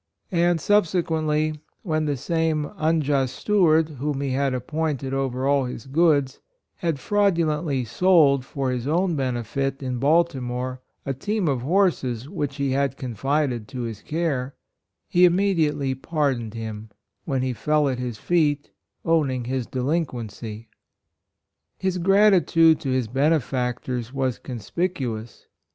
And, sub sequently, when the same " unjust steward, whom he had appointed over all his goods," had fraudu lently sold, for his own benefit, in Baltimore, a team of horses which he had confided to his care, he im mediately pardoned him, when he fell at his feet, owning his delin quency. His gratitude to his benefactors was conspicuous.